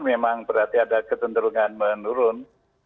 memang berarti ada kecenderungan menurun